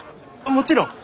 もちろん！